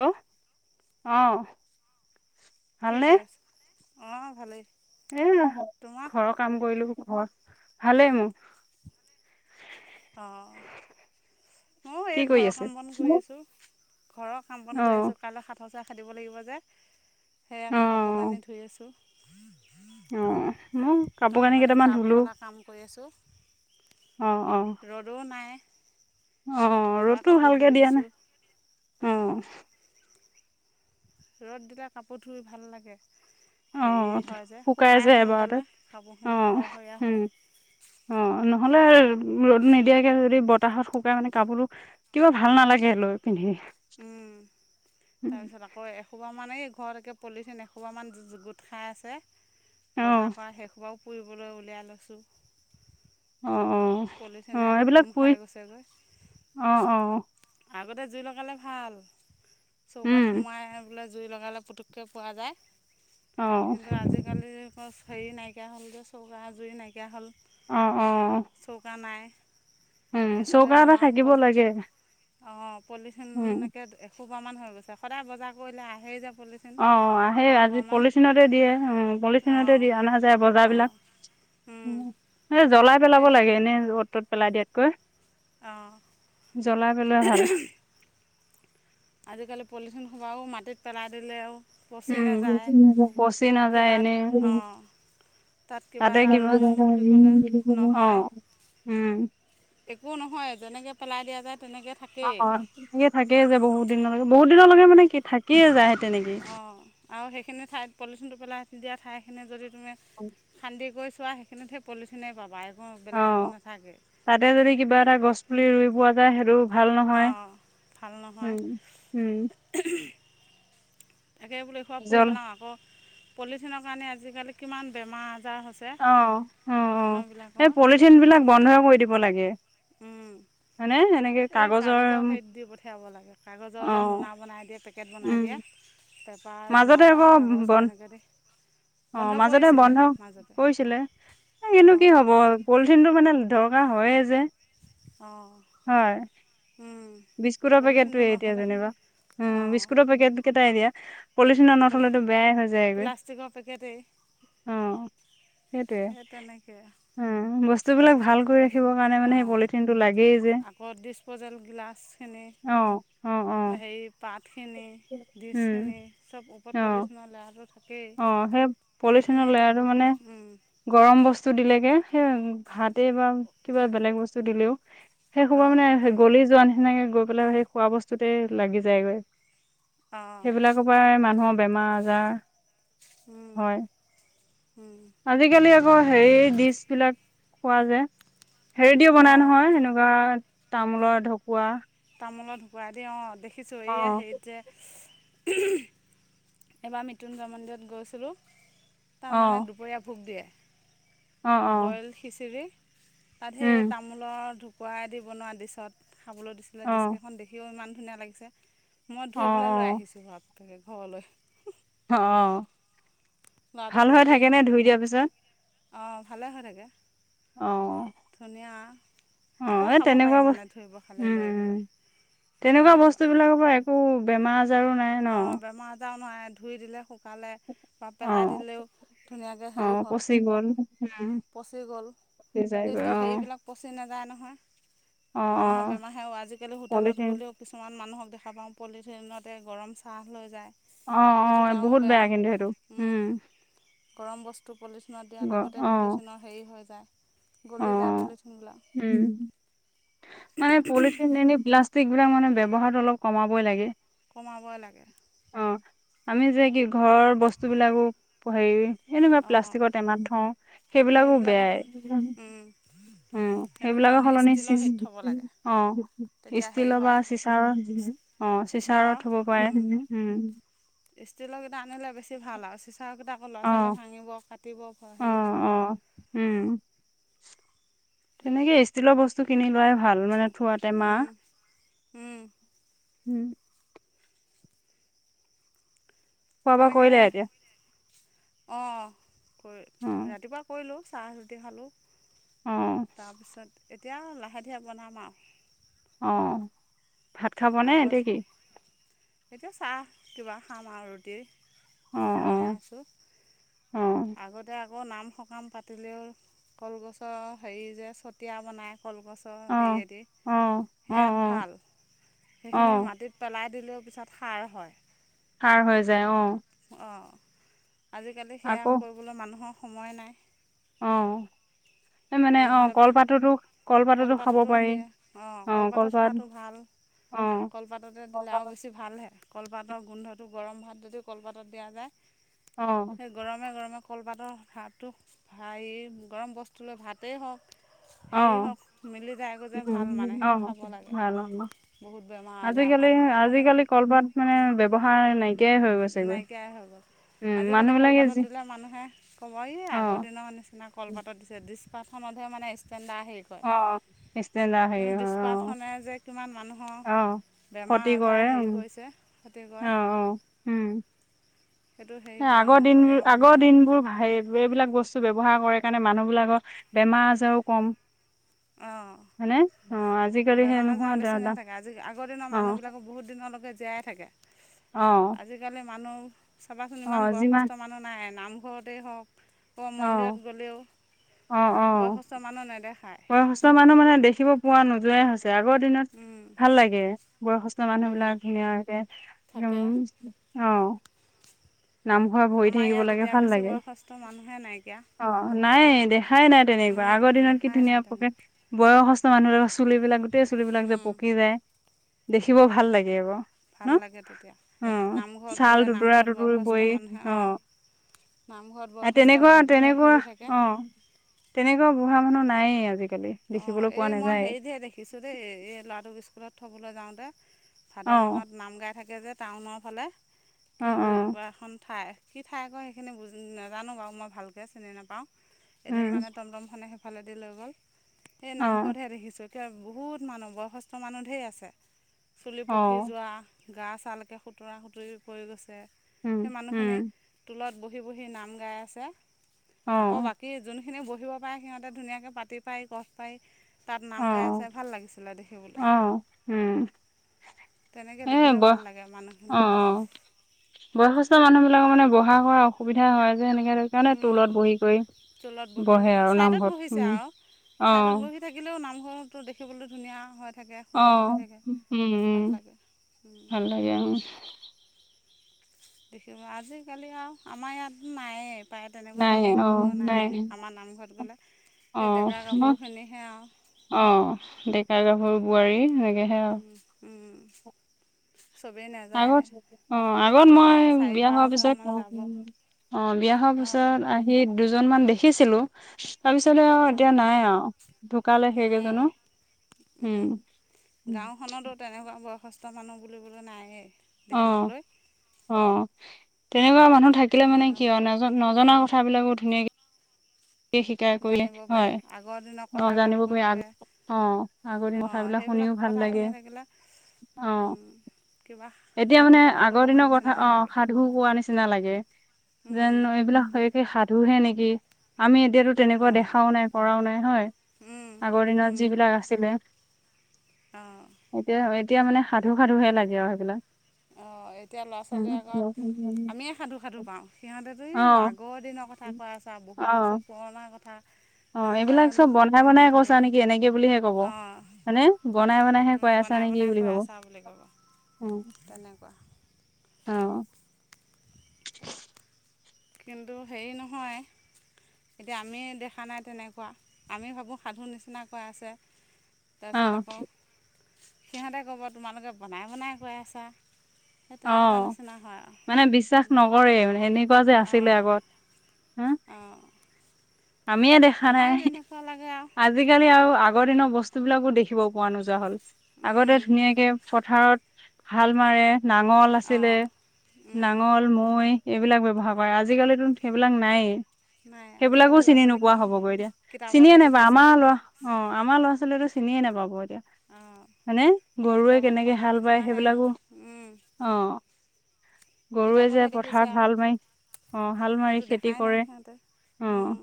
Hello, অহ। কি কৰি আছা? অঁ ভালেই। এ তোমাৰ ঘৰৰ কাম কৰিলো ঘৰ, ভালেই মোৰ। অহ, ময়ো কি এই কৰি ঘৰৰ আছে? কাম বন কৰি আছোঁ। ঘৰৰ কাম বন কৰি অ', আছোঁ, কাইলৈ সাত সচৰা খেদিব লাগিব যে। সেয়া কাপোৰ অ', কানি ধুই আছোঁ। অ', ময়ো কাপোৰ কানি ধোৱা কেইটামান ধুলো। পখলা কাম কৰি আছোঁ ৰ'দো নাই। অঁ এবাৰ ৰ'দটো কাপোৰ ধুই ভালকে দিয়া দিছোঁ নাই, অহ। ৰ'দ দিলে কাপোৰ ধুই ভাল লাগে। হেৰি হয় যে, শুকাই সোনকালে অ', কাপোৰখিনি খৰখৰীয়া উম, হয়। অ', নহ নহলে ৰ'দ নিদিয়াকে যদি বতাহত শুকাই মানে কাপোৰটো কিবা ভাল নালাগে লৈ। পিন্ধি উম তাৰপিছত আকৌ এসোপা মান এই ঘৰত একে পলিথিন এসোপামান গোট খায় আছে অ', বজাৰ কৰা সেইসোপাও পুৰিবলৈ উলিয়াই লৈছোঁ। অ', অ', পলিথিনে অ', একে এইবিলাক দোম পুৰি খায় গৈছেগৈ। অ', অ', আগতে জুই লগালে ভাল, চৌকাত উম, সুমুৱাই বুলে জুই লগালে পুটুকে পোৱা যায় অ', কিন্তু আজিকালি ক। হেৰি নাইকীয়া হ'ল যে চৌকা জুই নাইকীয়া হ'ল। অহ অহ। চৌকা নাই উম চৌকা এটা থাকিব লাগে। অহ পলিথিন উম একে এহোপা মান হৈ গৈ সদায় বজাৰ কৰিলে আহেই যে। পলিথিন অহ আহেই আজি এসোপামান পলিথিনতে দিয়ে উম পলিথিনতে অঁ দিয়ে অনা যায় বজাৰ বিলাক। অঁ উম, এ জ্বলাই পেলাব সেই লাগে, এনেই অ'ত-ত'ত পেলাই দিয়াতকৈ। অঁ জ্বলাই পেলোবাই ভাল। আজিকালি পলিথিন সোপাটো, মাটিত পেলাই দিলেও পচি উম, নাযায় পচি নাযায় কিবা এনেই উম। অঁ তাত কিবা তাতে এটা কিব, ৰুওঁ বুলি ক'লে [unintelligible] উম, নহয় অহ। একো নহয় যেনেকে পেলাই দিয়া যায়। তেনেকৈ থাকেই অহ, তেনেকে থাকিয়ে যাব বহুত দিনলৈ, বহুত দিনলৈকে মানে কি থাকিয়ে যায়। তেনেকেই। অঁ আৰু সেইখিনি ঠাইত পলিথিনটো পেলাই দিয়া, ঠাইখিনি যদি তুমি খান্দি কৰি চোৱা, সেইখনি সেই পলিথিনে পাবা। একো বেলেগ অহ একো নাথাকে তাতে যদি কিবা এটা গছ পুলি ৰুই পোৱা যায় সেইটো। ভাল নহয় অঁ ভাল নহয় উম উম। তাকে বোলো এই হোপা পুই জল পেলাওঁ আকৌ পলিথিনৰ কাৰণে আজিকালি কিমান বেমাৰ। আজাৰ হৈছে অহ অহ এই মানুহবিলাকৰ পলিথিন বিলাক বন্ধই কৰি দিব লাগে। উম। হয়নে এনেকে এই কাগজৰ সেই দি পঠিয়াব লাগে অ কাগজৰ যে মোনা বনাই দিয়ে পে। পেকেট বনাই উম দিয়ে পেপাৰ বা ডাঠ কাগজ তেনেকে দি। অহ বন্ধ মাজতে কৰিছিলে বন্ধ মাজতে কৰিছিলে এইনো কিন্তু কি অঁ হব পলিথিন টো মানে। দৰকাৰ হয়ে যে। অহ হয় উম। বিস্কুটৰ পেকেটটো এ এতিয়া যেনিবা। উম অঁ বিস্কুটৰ পেকেট কেইটা এ দিয়া। পলিথিনৰ পলি নথ'লেতো বেয়াই হৈ যায়, প্লাষ্টিকৰ পেকেটেই অহ। সেই তেনেকে। উম, বস্তুবিলাক ভালকৈ ৰাখিবৰ কাৰণে মানে সেই অঁ পলিথিনটো লাগেই যে। গিলাছ সেনে অ অ অ হেৰি পাত সেনে ডিছ উম সেনে চব ক'ত পলিথিন ওলায়। অহ, সেই পলিচিন এতিয়া লেৰাটো মানে গৰম বস্তু দিলেগে, সেই ভাতে বা কিবা বেলেগ বস্তু দিলেওঁ। সেই শোপা মানে গলি যোৱা নিচিনাকে, গৈ পেলাই সেই খোৱা বস্তুতে লাগি যায়গৈ। অঁ সেইবিলাকৰ পৰাই মানুহৰ বেমাৰ আজাৰ অঁ হয়। আজিকালি আকৌ হেৰি ডিচ্ বিলাক খোৱা যে। হেৰি দিওঁ বনাই অঁ নহয়, সেনেকুৱা তামোলৰ ঢকুৱা। তামোলত ঢুকুৱাই দি অহ দেখিছোঁ। অ এইয়া হেৰিত যে [unintelligible] এইবাৰ মৃত্যুঞ্জয় মন্দিৰত গৈছিলোঁ। তাত অ মানে দুপৰীয়া ভোক দিয়ে। অ অ ব্ৰইল খিচিৰি, তাত উম সেই তামোলৰ ঢকুৱা কুুৱাই দি বনোৱা ডিছত খাবলৈ দিছিলে, অ ডিচকেইখন দেখিও ইমান ধুনীয়া লাগিছে। মই অ ধুই পেলাই লৈ আহিছোঁ ঘৰত ঘৰলৈ। অহ। ল'ৰাটোক লাগেই অহ, ভালে হয় থাগে। ধুনীয়া। অহ, আকৌ এই খাব পাৰি তেনেকুৱা মানে বস্তু। ধুই পখালি উম, লৈ উম, পেলাই তেনেকুৱা বস্তুবিলাকৰ পৰা একো বেমাৰ আজাৰো নাই ন। অঁ বেমাৰ আজাৰ নাই, ধুই দিলে সক পালে, বা অ পেলাই দিলেওঁ ধুনীয়াকৈ অ হেৰি হ'ল পচি গ'ল উম পচি গ'ল। এই সিজাইগৈ দি অ হেৰি বিলাক পচি নাযায় নহয়। অ অ মানুহৰ বেমাৰ সেয়াও, আজিকালি হোটেলত পলিথিন গ'লেও কিছুমান মানুহক দেখা পাওঁ পলিথিনতে গৰম চাহ লৈ যায়। অহ', সেইটোতো অহ'। আৰু বহুত বেয়া কিন্তু সেইটো উম। গৰম বস্তু পলিথিনত দিয়াৰ গ লগতে অ পলিথিনৰ হেৰি হৈ যায়। অ গলি যায় পলিথিনবিলাক। উম মানে পলিথিন এনেই প্লাষ্টিকবিলাক মানে ব্যৱহাৰ অলপ কমাবই লাগে। কমাবই লাগে। অ আমি যে কি ঘৰৰ বস্তুবিলাকো হেৰি সেনেকোৱা অঁ প্লাষ্টিকত টেমান থওঁ, সেইবিলাকো সেইবিলাকৰ বেয়াই। উম। সেইটো সেইবিলাকৰ সলনি ষ্টীলৰ চিচ হেৰিত থ'ব লাগে অহ, তেতিয়া হেৰি ষ্টিলৰ বা হয় চিচাৰৰ অহ। চিচাৰত চিচাৰৰ থব পাৰে উম। ইষ্টৰ গিলা সেইটা আনিলে বেছি ভাল আৰু চিচাৰকেইটা আকৌ অ ল'ৰা-ছোৱালীয়ে ভাঙিব কাটিব অ হেৰি লাগে। অ উম, তেনেকে ষ্টিলৰ বস্তু কিনি লোৱাই ভাল, মানে থোৱা টেমা‌ উম। খোৱা বোৱা কৰিলে এতিয়া? অহ, কৰি অ ৰাতিপুৱা কৰিলোঁ, চাহ ৰুটি খালোঁ। অ তাৰপিছত এতিয়া, লাহে ধীৰে বনাম আৰু। অহ, ভাত খাব নে আগত এতিয়া কি। এতিয়া চাহ কিবা খাম আৰু ৰুটি অ অ বনাই আছোঁ। অ আগতে আকৌ নাম সকাম পাতিলেও কলগছৰ হেৰি যে চতিয়া বনায়। কলগছৰ অ হেৰি সেয়া দি, অ অ সেয়াত অ ভাল অ সেইখিনি মাটিত পেলাই দিলেওঁ পিছত সাৰ হয়। সাৰ হৈ যায় অহ। অঁ আজিকালি সেয়া কৰিবলৈ মানুহৰ সময় নাই। অহ। এই মানে অহ, নহ'লে বা কলপাততো কলপাততো খাব, পাৰি দিয়ে অঁ অহ কলপাতত কলপাত। খোৱাটো ভাল অ কলপাততে দিলে আৰু অ', বেছি ভাল হে কলপাতৰ গোন্ধটো গৰম ভাত যদি কলপাতত দিয়া যায়। সেই গৰমে গৰমে কলপাতৰ ভাতটো হেৰি, গৰম বস্তু লৈ ভাতেই হওঁক। হেৰি অ', হওঁক মিলি যায় গৈ যে, ভাল মানে উম, সেইটো অ', খাব লাগে। ভাল অ', বহুত বেমাৰ আজাৰৰ আজিকালি কাৰণে কিন্তু আজিকালি কলপাত মানে ব্যৱহাৰ নাই। নাইকিয়াই হয় গ'ল। আজিকালি মানুহ বিলাকে কলপাতত যি দিলে মানুহে ক'ব, ই আগৰ অ', দিনৰ নিচিনা কলপাতত দিছে। ডিছ পতখনতহে মানে ইচ পেন্দা হেৰি কয়। অ', ষ্টেণ্ডাৰ হেৰি কিন্তু ডিছ হয় অ', পাতখনে যে কিমান মানুহৰ অ', বেমাৰ ক্ষতি আজাৰ কৰে, হেৰি উম কৰিছে ক্ষতি কৰে অহ অহ উম। সেইটো হেৰি কৰা আগৰ নকৰে দিনবোৰ, আৰু আগৰ মানুহে দিনবোৰ ভা এইবিলাক বস্তু ব্যৱহাৰ কৰে কাৰণে মানুহবিলাকৰ বেমাৰ আজাৰো কম। হয়নে? অ', অহ। আজিকালি সেই বেমাৰ নোহোৱা আজাৰ দা বেছি দা নথাকে আজি আগৰ দিনৰ অ', মানুহবিলাক বহুদিনলৈকে জীয়াই জীয়াই থকে। অ', আজিকালিৰ মানুহ চাবাচোন ইমান অ', যিমান বয়সস্থ মানুহ নাই, নামঘৰতেই হওঁক। আকৌ অ', মন্দিৰত গ'লেও, অ', অ'। বয়সস্থ মানুহ নেদেখায়। বয়সস্থ মানুহ মানে দেখিব পোৱা নোযোৱাই হৈছে, আগৰ দিনত ভাল লাগে। বয়সস্থ মানুহবিলাক ধুনীয়াকে। থাকে উম। নামঘৰা ভৰি আমাৰ থাকিব ইয়াত লাগে এতিয়া ভাল বেছি লাগে। বয়সস্থ মানুহে নাইকিয়া অহ নাই এই দেখা দেখাই নাই তেনেকুৱা, আগৰ দিনত কি দেখাই নাই ধুনীয়া তেনে থাকে বয়সস্থ মানুহ চুলিবিলাক গোটেই চুলিবিলাক যে পকি যায়, দেখিব ভাল লাগে আকৌ। ন ভাল লাগে তেতিয়া, নামঘৰত গ'লে নামঘৰত বৰ বই অহ। নামঘৰত আৰু বয়সস্থ তেনেকুৱা মানুহখিনিয়ে তেনেকুৱা ভৰি থাকে অহ, তেনেকুৱা বুঢ়া মানুহ নায়েই আজিকালি। অহ, দেখিবলৈ পোৱা এই মই নাযায় হেৰিতহে দেখিছোঁ দেই, এই ল'ৰাটোক স্কুলত থবলৈ যাওঁতে। ভাদ অ মাহত নাম গাই থাকে যে টাউনৰ ফালে, অ কিব অ এখন ঠাই। কি ঠাই কয়, সেইখিনি বুজি নাজানো বাৰু মই ভালকৈ চিনি নাপাওঁ এদিন উম মানে টমটমখনে সেইফালেদি লৈ গ'ল, এই অ নামঘৰতহে দেখিছোঁ। এতিয়া বহুত মানুহ বয়সস্থ মানুহ ঢেৰ আছে চুলি অ পকি যোৱা। গা ছালকে সুতুৰা সুতুৰি পৰি গৈছে উম সেই উম মানুহখিনি টোলত বহি। বহি বহি নাম গাই আছে অ আকৌ বাকী যোনখনি বহিব পাৰে সিহঁতে ধুনীয়া যে পাতিত। পাই বহ পাই তাত নাম অ গাই আছিলে ভাল লাগিছিল দেখিবলৈ। অ উম তেনেকে এ দেখিলে ব ভাল লাগে অ মানুহখিনি। অ বয়সস্থ মানুহ বিলাকক মানে বহা কৰা অসুবিধা হয়। যে সেনেকে সেইকাৰণে টোলত বহি কৰি টোলত বহি বহে পেলাই আৰু ছাইডত নামঘৰত বহিছে উম। আৰু অ ছাইডত বহি থাকিলেও [unintelligible] দেখিবলৈ ধুনীয়া হয়। অহ, উম উম লাগে ভাল লাগে অৰু। দেখিব, আজিকালি আৰু আমাৰ ইয়াতো নাইয়ে। প্ৰায় তেনেকুৱা নাই মানুহ অ দেখিব নাই এই। আমাৰ নামঘৰত গ'লে সেই ডেকা গাভোৰখিনিহে আৰু। অহ, ডেকা-গাভৰু বোৱাৰী সেনে হম, উম। আগত অহ, আগত মই প্ৰায় চাৰি বিয়া হোৱাৰ পিছত পাঁচজনমান যাব অহ, বিয়া হোৱাৰ অঁ পিছত আহি দুজনমান দেখিছিলোঁ। তাৰপিছতে আৰু এতিয়া অঁ নাই আৰু ঢুকালে নায়ে সেইকেইজনো। উম। সুস্থ মানুহ বুলিবলৈ নায়েই অ দেখিবলৈ। অ', তেনেকুৱা মানুহ থাকিলে আমাৰ মানে গাঁও কি আৰু উম নজ-নজনা কথা বিলাকো ধুনীয়াকে শিকাই কৰিলে জানিব পাৰি, হয় আগৰ দিনৰ অ জানিব কথাবিলাক কৈ পাৰি আগ থাকে। অ', আগতে অঁ কথাবিলাক সেইবিলাক শুনিও ভাল কথা লাগে শুনি থাকিলে অ'। উম কিবা এতিয়া সাধু মানে কথা কৈ আগৰ থকা দিনৰ কথা নিচিনাহে অ', লাগে সাধু কোৱা নিচিনা লাগে। যেন অঁ এইবিলাকেই সাধুহে নেকি আমি যিহেতু তেনেকুৱা অঁ দেখাও নাই কৰাও নাই হয়। উম আগৰ দিনত উম যিবিলাক আছিলে, অঁ এতিয়া-এতিয়া মানে সাধু সাধুহে লাগে আৰু সেইবিলাক। অঁ এতিয়া ল'ৰা ছোৱালীৰ আগত, উম আমিয়ে সাধু সাধু পাওঁ, সিহঁতেতো এই আগৰ দিনৰ কথা অ কোৱা [unintelligible] অ বহুত বছৰ পুৰণা কথা। অ', এইবিলাক চব বনাই তেনেকুৱাকৈ বনাই কৈ থাকে কৈছা নেকি সিহঁতে এনেকে বুলিহে কব, অঁ হয়নে বনাই বনাইহে তুমি কৈ আছা। বনাই বনাই কৈ আছা বুলি ক'ব। উম। তেনেকুৱা। অ'। কিন্তু হেৰি নহয় এতিয়া আমি দেখা নাই তেনেকুৱা, আমি ভাবোঁ সাধু নিচনাকৈ আছে। তাৰপিছত আকৌ সিহঁতে ক'ব তোমালোকে বনাই বনাই কৈ আছা। সেই তেনেকুৱা অ', নিচিনা হয় আৰু মানে বিশ্বাস নকৰে সেনেকুৱা যে আছিলে অঁ আগৰ, হা অঁ আমিয়ে দেখা আমাৰে নাই, তেনেকুৱা লাগে আজিকালি আৰু আগৰ দিনৰ বস্তুবিলাকো দেখিব পোৱা নোযোৱা হ'ল। আগতে আৰু ধুনীয়াকে পথাৰত হাল মাৰে। নাঙল আছিলে, অঁ নাঙল, মৈ। এইবিলাক ব্যৱহাৰ কৰে, আজিকালিতো সেইবিলাক নায়েই। নাই আজি সেইবিলাকো কেইডাল চিনি নোপোৱা হ'ব গৈ এতিয়া, চিনিয়ে নাপা আমাৰ আৰু লৰা অ আমাৰ ল'ৰা ছোৱালীয়ে চিনিয়ে নাপাব। অঁ মানে গৰুৱে কিতাপত কেনেকে থকা হাল বাই, নিচিনাহে সেইবিলাকো অ গৰুৱে যে কিতাপতহে দেখিছে পথাৰত আৰু হাল মাৰি, অ হাল মাৰি খেতি কৰে। অ উম।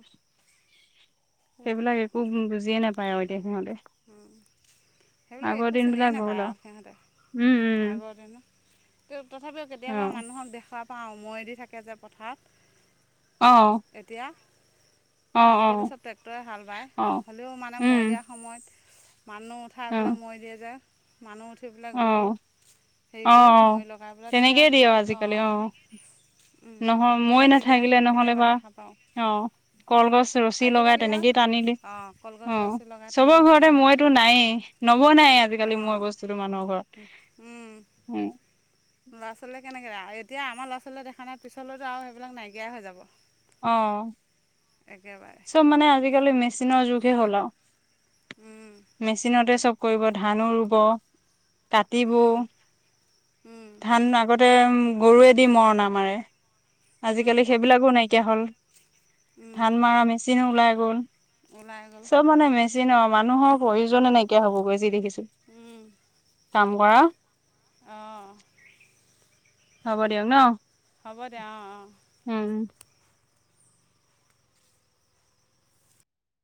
সেইবিলাক একো বুজিয়ে নাপায় আৰু এতিয়া সিহঁতে। সেইবিলাক আগৰ একো দিন চিনিয়ে বিলাক গ'ল নাপায় আৰু সিহঁতে। উম উম আগৰ দিনত, তথাপিও অ কেতিয়াবা, মানুহক দেখা পাওঁ। মৈ দি থাকে যে, অ পথাৰত। এতিয়া, অ অ আজিকালি, চব ট্ৰেক্টৰে হাল বায়। অ হ'লেও মানে, মৈ উম দিয়া সময়ত মানুহ উঠাই অ পেলাই, মৈ দিয়ে যে, মানুহ উঠি অ পেলাই গৰু। হেৰি অ' কৰি মৈ অ'! লগাই পেলাই তেনেকেই দিয়ে, আজিকালি। অ'! উম, নহয় মৈ তেনেকে দিয়া, নাথাকিলে নহ'লে কেতিয়াবা বা দেখা পাওঁ। অ'! কলগছ ৰছী লগাই, আজিকালি আৰু তেনেকেই টানি দিয়ে। অঁ কলগছ অ'! ৰছী লগাই চবৰে টানি লৈ ঘৰতে যায় মৈ টো নাই। নবনাই আজিকালি, মৈ অঁ বস্তু টো মানুহৰ ঘৰত। উম! ল'ৰা ছোৱালীয়ে কেনেকৈ এতিয়া আমাৰ ল'ৰা- ছোৱালীয়ে দেখা নাই, পিছলৈতো আৰু সেইবিলাক নাইকিয়াই হৈ যাব। অ। একেবাৰে চব মানে আজিকালি মেচিনৰ যুগে হ'ল আৰু, মেচিনতে চব। কৰিব ধানো ৰুব। কাটিব, ধান আগতে উম গৰুৱেদি মৰণা মাৰে, আজিকালি সেইবিলাকো নাইকিয়া হ'ল। ধান মৰা মেচিনো ওলাই গল, ওলাই গ'ল চব মানে মেচিন মানুহক প্ৰয়োজন নাইকিয়া হ'বগৈ যি দেখিছো, কাম কৰা। অঁ হ'ব দিয়ক ন। হ'ব দিয়া, অ' অ'! উম